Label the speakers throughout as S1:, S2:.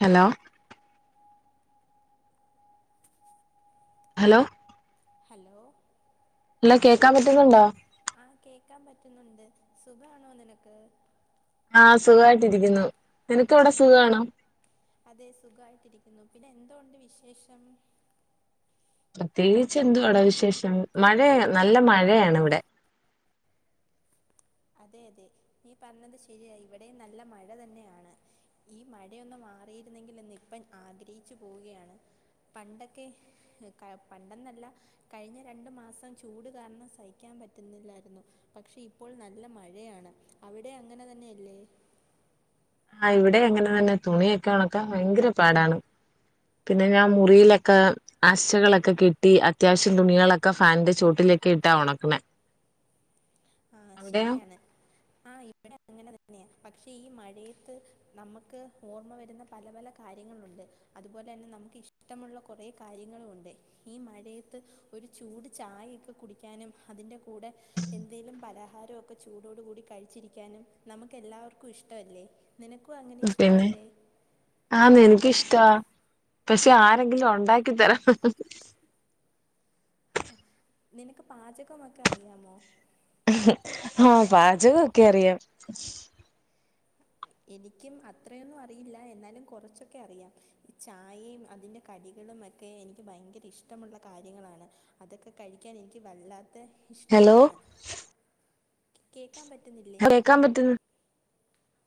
S1: Hello hello
S2: hello
S1: hello കേക്കാൻ പറ്റുന്നുണ്ടോ
S2: ആ കേക്കാൻ പറ്റുന്നുണ്ട് സുഖമാണോ നിനക്ക്
S1: ആഹ സുഖമായിട്ടിരിക്കുന്നു നിനക്ക് അവിടെ
S2: പിന്നെ
S1: സുഖമാണോ
S2: അതെ സുഖമായിട്ടിരിക്കുന്നു പിന്നെ എന്തൊണ്ട് വിശേഷം
S1: പ്രത്യേകിച്ച് എന്തുവാടാ വിശേഷം മഴയ നല്ല മഴയാണ് ഇവിടെ
S2: അതെ അതെ നീ പറഞ്ഞത് ശരിയ ഇവിടെ നല്ല മഴ തന്നെയാണ് ഈ മഴയൊന്നു മാറിയിരുന്നെങ്കിൽന്ന് ഇപ്പം ആഗ്രഹിച്ചു പോവുകയാണ് പണ്ടൊക്കെ പണ്ടെന്നല്ല കഴിഞ്ഞ രണ്ടു മാസം ചൂട് കാരണം സഹിക്കാൻ പറ്റുന്നില്ലായിരുന്നു പക്ഷെ ഇപ്പോൾ ന നല്ല മഴയാണ് അവിടെ അങ്ങനെ തന്നെയല്ലേ
S1: ആ ഇവിടെ എങ്ങനെ തന്നെ തുണിയൊക്കെ ഉണക്കാൻ ഭയങ്കര പാടാണ് പിന്നെ ഞാൻ മുറിയിലൊക്കെ ആശകളൊക്കെ കെട്ടി അത്യാവശ്യം തുണികളൊക്കെ ഫാനിന്റെ ചുവട്ടിലൊക്കെ ഇട്ടാ ഉണക്കണേ
S2: ആ
S1: അവിടെയോ
S2: ശരിയാണ് ആ ഇവിടെ അങ്ങനെ തന്നെയാ പക്ഷേ ഈ മഴയത്ത് നമുക്ക് ഓർമ്മ വരുന്ന പല പല കാര്യങ്ങളുണ്ട് അതുപോലെ തന്നെ നമുക്ക് ഇഷ്ടമുള്ള കുറേ കാര്യങ്ങളുമുണ്ട് ഈ മഴയത്ത് ഒരു ചൂട് ചായ ഒക്കെ കുടിക്കാനും അതിൻ്റെ കൂടെ എന്തേലും പലഹാരൊക്കെ ചൂടോടു കൂടി കഴിച്ചിരിക്കാനും നമുക്ക് എല്ലാവർക്കും ഇഷ്ടമല്ലേ നിനക്കും അങ്ങനെ
S1: പിന്നെ
S2: ഇഷ്ടമല്ലേ
S1: ആ നിനകിഷ് റ്റ പക്ഷെ ആരെങ്കിലും ഉണ്ടാക്കി തരാം
S2: നിനക്ക് പാചകമൊക്കെ അറിയാമോ
S1: ആ പാചകൊക്കെ അറിയാം
S2: എനിക്കും അത്രയൊന്നും അറിയില്ല എന്നാലും കുറച്ചൊക്കെ അറിയാം ചായയും അതിൻ്റെ കടികളും ഒക്കെ എനിക്ക് ഭയങ്കര ഇഷ്ടമുള്ള കാര്യങ്ങളാണ് അതൊക്കെ കഴിക്കാൻ എനിക്ക് വല്ലാ ത്ത
S1: ഹലോ
S2: ഇഷ്ടവുമാണ് കേ ക്കാൻ പറ്റുന്നില്ലേ
S1: കേക്കാൻ പറ്റുന്നു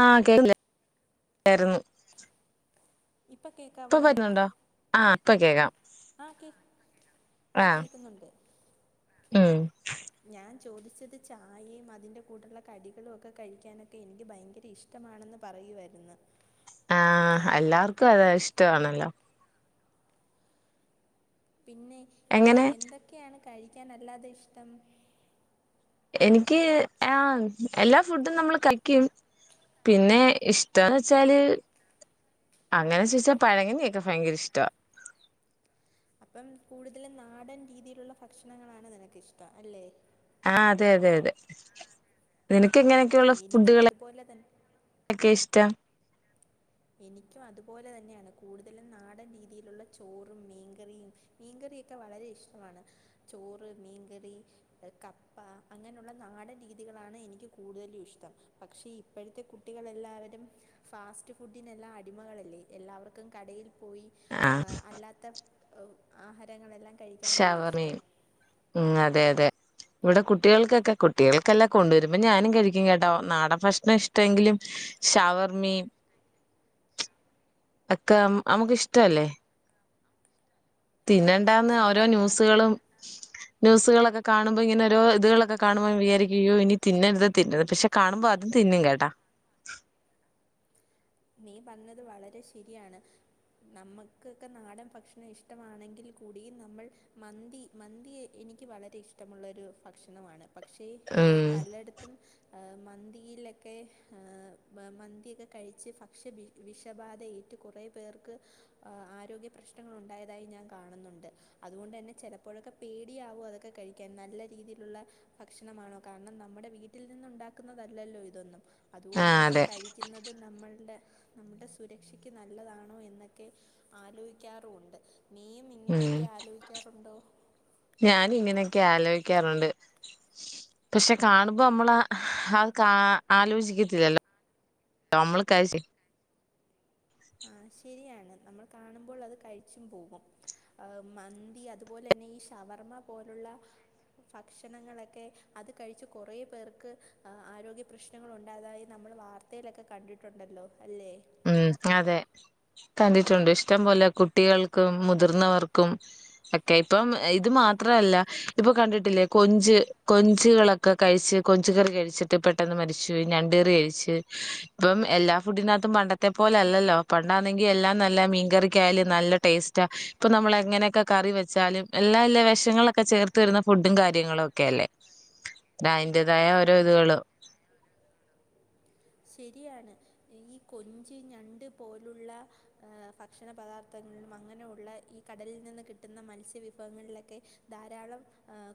S1: ആഹ് കേക്കുന്നില്ലായിരുന്നു
S2: ഇപ്പം
S1: ഇപ്പ
S2: കേൾക്കാവോ
S1: പറ്റുന്നുണ്ടോ ആഹ്. ഇപ്പൊ കേക്കാം.
S2: ആഹ് കേ ആഹ് കേക്കുന്നുണ്ട്.
S1: ഉം.
S2: ചോദിച്ചത് ചായയും അതിൻറെ കൂടെയുള്ള കടികളും ഒക്കെ കഴിക്കാനൊക്കെ എനിക്ക് ഭയങ്കര ഇഷ്ടമാണെന്ന് പറയുവായിരുന്നു.
S1: ആഹ് എല്ലാർക്കും അതാ ഇഷ്ടമാണല്ലോ.
S2: പിന്നെ
S1: എങ്ങനെ
S2: എന്തൊക്കെയാണ് കഴിക്കനല്ലാതെ ഇഷ്ടം.
S1: എനിക്ക് ആ എല്ലാ ഫുഡും നമ്മള് കയ്ക്കും പിന്നെ ഇഷ്ടന്ന് വെച്ചാല് അങ്ങനെ ചോയ്ച്ച പഴങ്കഞ്ഞിയൊക്കെ ഭയങ്കര ഇഷ്ട.
S2: അപ്പം കൂടുതലും നാടൻ രീതിയിലുള്ള ഭക്ഷണങ്ങളാണ് നിനക്ക് ഇഷ്ടം അല്ലെ?
S1: ആഹ് അതെ അതെ അതെ. നിനക്ക്
S2: ആ
S1: എങ്ങനെയൊക്കെയള്ള
S2: എനിക്കും
S1: ഫുഡുകൾ
S2: അതുപോലെ തന്നെ
S1: ഒക്കെ ഇഷ്ടം?
S2: എനിക്കും അതുപോലെ തന്നെയാണ് കൂടുതലും നാടൻ രീതിയിലുള്ള ചോറും മീൻകറിയും മീൻകറിയൊക്കെ വളരെ ഇഷ്ടമാണ് ചോറ് മീൻകറി കപ്പ അങ്ങനെയുള്ള നാടൻ രീതികളാണ് എനിക്ക് കൂടുതലും ഇഷ്ടം പക്ഷേ ഇപ്പോഴത്തെ കുട്ടികളെല്ലാവരും ഫാസ്റ്റ് ഫുഡിനെല്ലാം അടിമകളല്ലേ എല്ലാവർക്കും കടയിൽ പോയി. ആഹ് അല്ലാത്ത ആഹാരങ്ങളെല്ലാം കഴിക്കാനല്ലേ
S1: ഷവർമേം
S2: ഇഷ്ടം
S1: ഉം അതെ അതെ ഇവിടെ കുട്ടികൾക്കക്കെ കുട്ടികൾക്കല്ല കൊണ്ടരുമ്പോ ഞാനും കഴിക്കും കേട്ടോ നാടൻ ഭക്ഷണഇഷ്ടെങ്കിലും ഷവർമേം ഒക്കെ നമ്മുക്ക് ഇഷ്ടല്ലേ
S2: ആ
S1: പിന്നെണ്ടാന്ന ഓരോ
S2: ഷവർമ്മ
S1: ന്യൂസുകളും ന്യൂസുകള കാണുമ്പോ ഇങ്ങനെ ഓരോ ഇതുകളൊക്കെ കാണുമ്പോ ഞ വിചാരിക്കും ഇനി തിന്നരത് തിന്നത് പക്ഷെ കാണുമ്പോ അതും തിന്നും കേട്ടാ
S2: നീ പഞ്ഞത് വളരെ ശരിയാണ് നമക്കൊക്കെ നാടൻ ഭക്ഷണം ഇഷ്ടമാണെങ്കിൽ കൂടി നമ്മൾ മന്തി മന്തി എനിക്ക് വളരെ ഇഷ്ടമുള്ളൊരു ഭക്ഷണമാണ് പക്ഷേ
S1: ഉം
S2: പലെടുത്തും മന്തിയിലെക്കെ മന്തിയൊക്കെ കയി ച്ച് ഭക്ഷ്യ വിഷബാധ ഏറ്റ് കൊറെ പേർക്ക് ആ ആരോഗ്യ പ്രശ്നങ്ങൾ ഉണ്ടായതായി ഞാൻ കാണുന്നുണ്ട് അതുകൊണ്ട് തന്നെ ചിലപ്പോഴൊക്കെ പേടിയാവും അതൊക്കെ കഴിക്കാൻ നല്ല രീതിയിലുള്ള ഭക്ഷണമാണോ കാരണം നമ്മുടെ വീട്ടിൽ നിന്ന് ഉണ്ടാക്കുന്നതല്ലല്ലോ ഇതൊന്നും
S1: ആ
S2: അതുകൊണ്ട് തന്നെ അത്
S1: അതെ
S2: കഴിക്കുന്നത് [unintelligible] നമ്മുടെ സുരക്ഷയ്ക്ക് നല്ലതാണോ എന്നൊക്കെ ആലോക്കാറുമുണ്ട് നീയും
S1: ഉം
S2: ഇങ്ങനെക്കെ ആലോയിക്കാറുണ്ടോ
S1: ക്കെ ആലോയിക്കാറുണ്ട് പക്ഷെ കാണുമ്പോ നമ്മൾ അ കാ ആലോചിക്കത്തില്ലല്ലോ നമ്മൾ ക
S2: ആ ശരിയാണ് നമ്മൾ കാണുമ്പോൾ അത് കഴിച്ചും പോകും മന്തി അതുപോലെ തന്നെ ഈ ഷവർമ്മ പോലുള്ള ഭക്ഷണങ്ങളെ ക്കെ അത് കഴിച്ചു കൊറെ പേർക്ക് ആരോഗ്യ പ്രശ്നങ്ങൾ ഉണ്ടായതായി നമ്മൾ വാർത്തയിലൊക്കെ കണ്ടിട്ടുണ്ടല്ലോ അല്ലെ
S1: ഉം അതെ കണ്ടിട്ടുണ്ട് ഇഷ്ടംപോലെ കുട്ടികൾക്കും മുതിർന്നവർക്കും ഒക്കെ ഇപ്പം ഇത് മാത്രല്ല ഇപ്പൊ കണ്ടിട്ടില്ലേ കൊഞ്ച് കൊഞ്ചുകളൊക്കെ കഴിച്ച് കൊഞ്ച് കറി കഴിച്ചിട്ട് പെട്ടെന്ന് മരിച്ചുപോയി ഞണ്ട് കറി കഴിച്ച് ഇപ്പം എല്ലാ ഫുഡിനകത്തും പണ്ട ത്തെ പോലല്ലല്ലോ പണ്ടാന്നെങ്കി എല്ലാം നല്ല മീൻകറിക്കായാലും നല്ല ടേസ്റ്റാ ഇപ്പൊ നമ്മൾ എങ്ങനെക്കെ കറി വെച്ചാലും എല്ലാ എല്ലാ വിഷങ്ങളൊക്കെ ചേർത്ത് വരുന്ന ഫുഡും കാര്യങ്ങളും ഒക്കെ അല്ലേ അതിൻന്റെതായ ഓരോ ഇതുകളും
S2: ശരിയാണ് ഈ കൊഞ്ച് ഞണ്ട് പോലുള്ള ഭക്ഷണ പദാർത്ഥങ്ങള്ളും അങ്ങനെയുള്ള ഈ കടലിൽ നിന്ന് കിട്ടുന്ന മത്സ്യവിഭവങ്ങളിലൊക്കെ ധാരാളം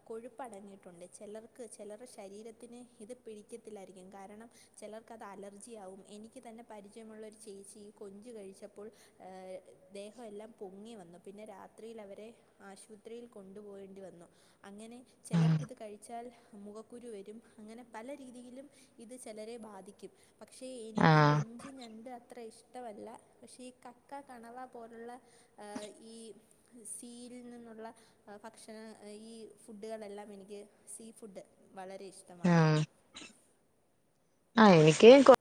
S2: കൊഴുപ്പടങ്ങിട്ടുണ്ട് ചിലർക്ക് ചിലറെ ശരീരത്തിന് ഇത് പിടിക്കത്തില്ലരിക്കും കാരണം ചിലർ ക്ക അത് അലർജിയവും എനിക്ക് തന്നെ പരിചയമുള്ളൊരു ചേച്ചിഈ കൊഞ്ചു കഴിച്ചപ്പോൾ ദേഹം എല്ലാം പൊങ്ങി വന്നു പിന്നെ രാത്രിൽ അവരെ ആശുത്രിയിൽ കൊണ്ടുപോകേണ്ടി വന്നു അങ്ങനെ ചിലർക്കിത് കഴിച്ചാൽ മുഖക്കുരു വരും അങ്ങനെ പല രീതിലും ഇത് ചിലരെ ബാധിക്കും കി പക്ഷെ
S1: ആ
S2: എനിക്ക് കൊഞ്ച്, ഞണ്ട് അത്ര ഇഷ്ട ടവല്ല പക്ഷെ ഈ കക്ക, കണവ പോലുള്ള ഈ സീയില് നിന്നുള്ള ഭക്ഷണ ഈ ഫുഡുകളെല്ലാം എനിക്ക് സീ ഫുഡ് വളരെ
S1: ആ
S2: ഇഷ്ടമാണ്
S1: ആ എനിക്ക് കൊ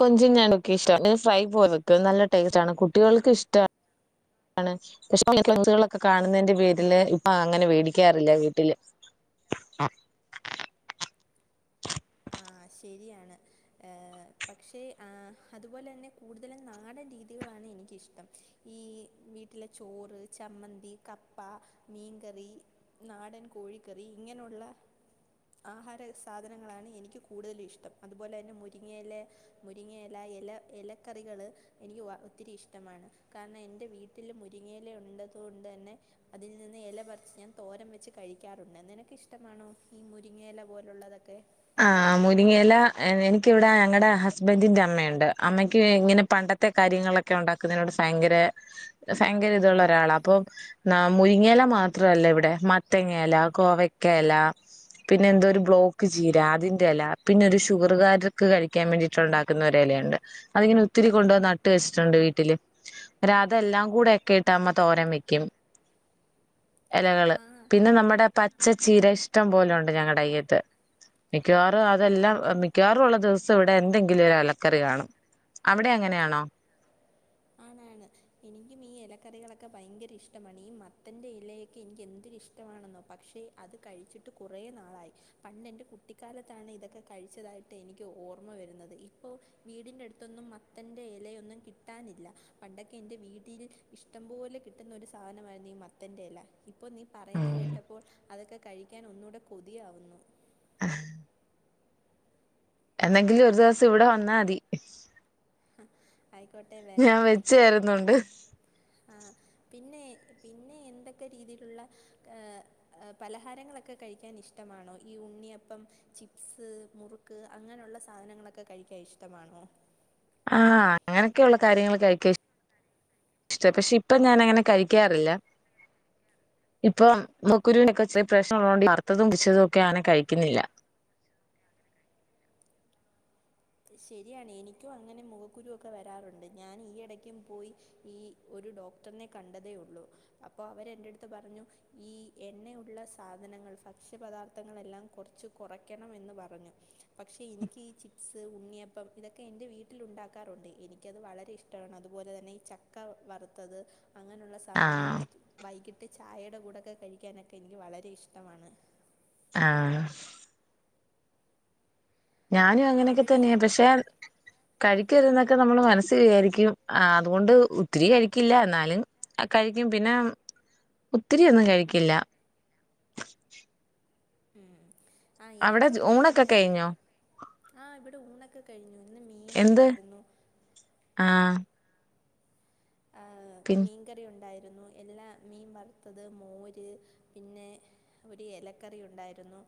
S1: കൊഞ്ചും ഞണ്ടൊക്കെ ഇഷ്ട ഫ്രൈ പോത്ക്ക നല്ല ടേസ്റ്റ്ണ് കുട്ടികൾക്ക് ഇഷ്ടാണ് പക്ഷെ സോഡ്സ് കളൊക്കെ കാണുന്നതിന്റെ പേരില് ഇപ്പൊ അങ്ങനെ മേടിക്കാറില്ല വീട്ടില്
S2: ആ ശരിയാണ് പക്ഷേ ആ അതുപോലെ തന്നെ കൂടുതലും നാടൻ രീതികളാണ് എനിക്കിഷ്ടം ഈ വീട്ടിലെ ചോറ് ചമ്മന്തി കപ്പ മീൻകറി നാടൻ കോഴിക്കറി ഇങ്ങനെയുള്ള ആഹാര സാധനങ്ങളാണ് എനിക്ക് എനിക്ക് കൂടുതല ഇഷ്ടം അതുപോലെ തന്നെ മുരിങ്ങയില മുരിങ്ങയില ഇല ഇലക്കറികൾ എനിക്ക് വ ഒത്തിരി ഇഷ്ടമാണ് കാരണം എൻ്റെ വീട്ടിൽ മുരിങ്ങയില ഉള്ളത് കൊണ്ട് തന്നെ അതിൽ നിന്ന് ഇല പറിച്ച് ഞാൻ തോരം വെച്ച് കഴിക്കാറുണ്ട് നിനക്ക് ഇഷ്ടമാണോ ഈ മുരിങ്ങയില പോലുള്ളതൊക്കെ
S1: ആ മുരിങ്ങല എനിക്കിവിടെ ഞങ്ങളടെ ഹസ്ബന്റിന്റെ അമ്മയുണ്ട് അമ്മയ്ക്ക് ഇങ്ങനെ പണ്ടത്തെ കാര്യങ്ങളൊക്കെ ഉണ്ടാക്കുന്നതിനോട് ഫയങ്കര ഫയങ്കര ഇതുള്ള ഒരാള അപ്പം മുരിങ്ങല മാത്രല്ല ഇവിടെ മത്തങ്ങല കോവക്കേല പിന്നെ എന്തോ ഒരു ബ്ലോക്ക് ചീര അതിറെ ഇല പിന്നെ ഒരു ഷുഗറുകാർക്ക് കഴിക്കാൻ വേണ്ടിട്ട് ഉണ്ടാക്കുന്ന ഒരു ഇലയുണ്ട് അതിങ്ങനെ ഒത്തിരി കൊണ്ട നട്ട് വെച്ചിട്ടുണ്ട് വീട്ടില് ഒരതെല്ലാം കൂടെ ഒക്കെ ഇട്ട അമ്മ തോരം വെക്കും ഇലകള്
S2: ആ
S1: പിന്നെ നമ്മുടെ പച്ചച്ചീര ഇഷ്ടം പോലുണ്ട് ഞങ്ങളുടെയ്യത് മിക്കവാറും അതെല്ലാം മിക്കവാറുംള്ള ദിവസം ഇവിടെ എന്തെങ്കിലും ഒരു അലക്കറി കാണും അവിടെ എങ്ങനെയാണോ
S2: ആണാണ് എനിക്കും ഈ ഇലക്കറികളൊക്കെ ഭയങ്കര ഇഷ്ടമാണ് ഈ മത്തറെ ഇലയൊക്കെ എനിക്ക് എന്തൊരി ഇഷ്ടമാണെന്നോ പക്ഷെ അത് കഴിച്ചിട്ട് കുറെേ നാളായി പണ്ട് എന്റെ കുട്ടിക്കാലത്താണ് ഇതൊക്കെ കഴിച്ചതായിട്ട് എനിക്ക് ഓർമ്മ വരുന്നത് ഇപ്പോ വീടിന്റെ അടുത്തൊന്നും മത്തന്റെ ഇലയൊന്നും കിട്ടാനില്ല പണ്ടൊക്കെ എന്റെ വീട്ടിൽ ഇഷ്ടം പോലെ കിട്ടുന്ന ഒരു സാധനമായിരുന്നു ഈ മത്തന്റെ എല അപ്പോ നീ പറയുന്ന കേട്ടപ്പോൾ അതൊക്കെ കഴി ൻ ഒന്നൂടെ കൊതിയാവുന്നു
S1: എന്തെങ്കിലും ഒരു ദിവസം ഇവിടെ വന്നാ മതി
S2: ഹ, ആയിക്കോട്ടെ വരാം
S1: ഞാൻ വെച്ച് തരുന്നുണ്ട്
S2: ആ പിന്നെ പിന്നെ എന്തൊക്കെ രീതിയിലുള്ള ഏ പലഹാരങ്ങളൊക്കെ കഴിക്കാൻ ഇഷ്ടമാണോ ഈ ഉണ്ണിയപ്പം ചിപ്സ് മുറുക്ക് അങ്ങനെയുള്ള സാധനങ്ങളൊക്കെ കഴിക്കാൻ ഇഷ്ടമാണോ
S1: ആഹ അങ്ങനെയൊക്കെയ ഉള്ള കാര്യങ്ങൾ കഴിക്കാ ഇഷ്ട പക്ഷെ ഇപ്പൊ ഞാൻ അങ്ങനെ കഴിക്കാറില്ല ഇപ്പൊ മുക്കുരുവിനക്കെ പ്രശ്നം ഉള്ളതൊണ്ട് വാർത്തതും പിച്ചതും ഒക്കെ അങ്ങനെ കഴിക്കുന്നില്ല
S2: ശരിയാണ് എനിക്കും അങ്ങനെ മുഖക്കുരു ഒക്കെ വരാറുണ്ട് ഞാൻ ഈ ഇടയ്ക്കും പോയി ഈ ഒരു ഡോക്ടറിനെ കണ്ടതേ ഉള്ളു അപ്പോ അവരെ എറ അടുത്ത് പറഞ്ഞു ഈ എന്നെള്ള സാധനങ്ങൾ ഭക്ഷ്യപദാർത്ഥങ്ങളെല്ലാം കുറച്ച് കുറയ്ക്കണം എന്ന് പറഞ്ഞു പക്ഷേ എനിക്ക് ഈ ചിപ്സ് ഉണ്ണിയപ്പം ഇതൊക്കെ എൻ്റെ വീട്ടില ഉണ്ടാക്കാറുണ്ട് എനിക്കത് വളരെ ഇഷ്ടമാണ് അതുപോലെ തന്നെ ഈ ചക്ക വറുത്തത് അങ്ങനെയുള്ള സാധനങ്ങൾ
S1: ആഹ്
S2: ഈ വൈകിട്ട് ചായയുടെ കൂടൊക്കെ കഴിക്കാനൊക്കെ എനിക്ക് വളരെ ഇഷ്ടമാണ്
S1: ആ ഞാനും അങ്ങനെയൊക്കെ
S2: അവിടെ ഈ
S1: തന്നെയ പക്ഷെ കഴിക്കരു എന്നൊക്കെ നമ്മൾ മനസ്സ് വിചാരിക്കും ആ അതുകൊണ്ട് ഒത്തിരി കഴിക്കില്ല എന്നാലും കഴിക്കും പിന്നെ ഒത്തിരി ഒന്നും കഴിക്കില്ല
S2: ഉം ആ
S1: അവിടെ
S2: എനിക്കും അങ്ങനെ
S1: ഊണൊക്കെ
S2: തന്നെയാണ്
S1: കഴിഞ്ഞോ
S2: ആഹ ഇവിടെ ഊണൊക്കെ കഴിഞ്ഞു ഇന്ന് മീൻ
S1: എന്ത്
S2: ഉണ്ടായിരുന്നു
S1: ആഹ്
S2: ആഹ്
S1: പിൻ
S2: മീൻകറി ഉണ്ടായിരുന്നു രുന്നു എല്ലാ മീൻ വറുത്തത് മോര് പിന്നെ ഒരു ഇലക്കറി ഉണ്ടായിരുന്നു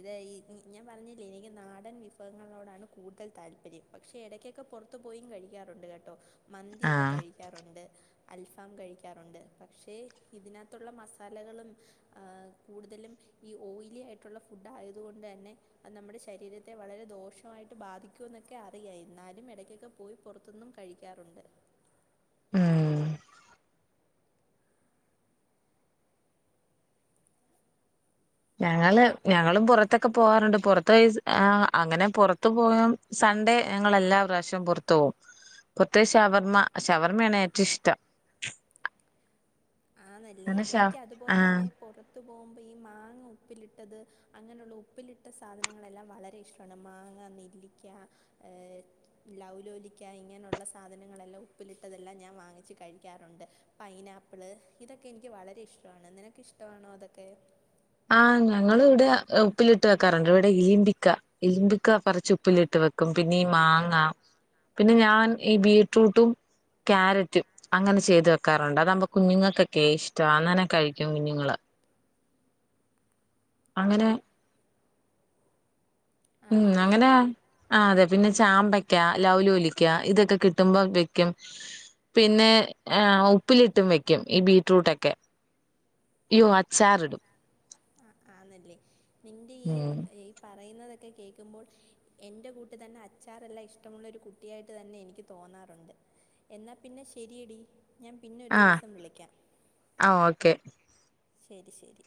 S2: ഇത് ഈ ഞാൻ പറഞ്ഞില്ലേ എനിക്ക് നാടൻ വിഭവങ്ങളോടാണ് കൂടുതൽ താല്പര്യം പക്ഷെ ഇടക്കൊക്കെ പുറത്തു പോയും കഴിക്കാറുണ്ട് കേട്ടോ മന്തിയൊക്കെ
S1: ആഹ്
S2: കഴി ക്കാറുണ്ട് അൽഫാം കഴിക്കാറുണ്ട് പക്ഷേ ഇതിനകത്തുള്ള മസാലകളും കൂടുതലും ഈ ഓയിലി ആയിട്ടുള്ള ഫുഡ് ആയതുകൊണ്ട് തന്നെ അത് നമ്മുടെ ശരീരത്തെ വളരെ ദോഷമായിട്ട് ബാധിക്കും എന്നൊക്കെ അറിയാം എന്നാലും ഇടക്കൊക്കെ പോയി പുറത്തൊന്നും കഴിക്കാറുണ്ട്
S1: ആ ഞങ്ങള് ഞങ്ങളും പുറ പുറത്തൊക്കെ പോകാറുണ്ട് പുറത്ത് വൈസ് ആ അങ്ങനെ പുറത്തു പോകയും സൺഡേ ഞങ്ങെല്ലാ പ്രാവശ്യം പുറത്തു പോകും പുറത്ത ശവർമ്മ ശവർമ്മയാണ് ഏറ്റവും ഇഷ്ടം
S2: ആ നല്ലേ
S1: അങ്ങനെ ഷ
S2: എനിക്ക് അതുപോലെ
S1: ആഹ്
S2: തന്നെ പുറ അത്തു പോകുമ്പം ഈ മാങ്ങ ഉപ്പിലിട്ടത് അങ്ങനെയുള്ള ഉപ്പിലിട്ട സാധനങ്ങളെല്ലാം വളരെ ഇഷ്ടമാണ് മാങ്ങ നെല്ലിക്ക ലൗലോലിക്ക ഇങ്ങനെയുള്ള സാധനങ്ങളെല്ലാം ഉപ്പിലിട്ടതെല്ലാം ഞാൻ വാങ്ങിച്ച് കഴിക്കാറുണ്ട് പൈനാപ്പിള് ഇതൊക്കെ എനിക്ക് വളരെ ഇഷ്ടമാണ് നിനക്ക് ഇഷ്ടമാണോ അതൊക്കെ
S1: ആഹ് ഞങ്ങള് ഇവിടെ ഉപ്പിലിട്ട് വെക്കാറുണ്ട് ഇവിടെ ഇലിമ്പിക്ക ഇലിമ്പിക്ക പറിച്ച് ഉപ്പിലിട്ട് വെക്കും പിന്നെ ഈ മാങ്ങ പിന്നെ ഞാൻ ഈ ബീറ്റ്‌റൂട്ടും ക്യാരറ്റും അങ്ങനെ ചെയ്ത് വെക്കാറുണ്ട് അതാവുമ്പോ കുഞ്ഞുങ്ങൾക്കൊക്കെ ഇഷ്ടം അങ്ങനെ കഴിക്കും കുഞ്ഞുങ്ങള് അങ്ങനെ ഉം
S2: ആണല്ലേ
S1: അങ്ങനെയാ ആ അതെ പിന്നെ ചാമ്പയ്ക്ക ലൗലോലിക്ക ഇതൊക്കെ കിട്ടുമ്പോ വെക്കും പിന്നെ ഏ ഉപ്പിലിട്ടും വെക്കും ഈ ബീറ്റ്റൂട്ടൊക്കെ ഇയ്യോ അച്ചാറിടും.
S2: ആ ആന്നല്ലേ നിന്റെ ഈ
S1: ഉം
S2: ഈ പാ പറയുന്നതൊക്കെ കേൾക്കുമ്പോൾ എൻ്റെ കൂട്ട് തന്നെ അച്ചാറെല്ലാം ഇഷ്ടമുള്ളൊരു കുട്ടിയായിട്ട് തന്നെ എനിക്ക് തോന്നാറുണ്ട് എന്നാൽ പിന്നെ ശരിയെടീ. ഞാൻ പിന്നെ ഒരു
S1: ആ
S2: ദിവസം വിളിക്കാം.
S1: ആ ഓക്കെ
S2: ശരി ശരി.